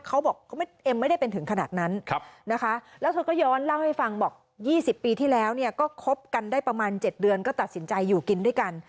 เขาบอกเอ็มไม่ได้เป็นถึงขนาดนั้นนะคะแล้วเธอก็ย้อนเล่าให้ฟังบอก๒๐ปีที่แล้วก็คบกันได้ประมาณ๗เดือนก็ตัดสินใจอยู่กินด้วยกัน